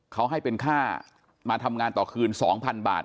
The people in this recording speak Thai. เขาให้เป็นค่ามาทำงานต่อคืน๒๐๐๐บาท